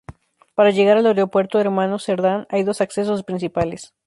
Para llegar al Aeropuerto Hermanos Serdán hay dos accesos principales.